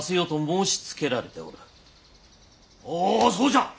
おおそうじゃ！